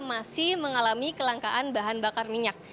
masih mengalami kelangkaan bahan bakar minyak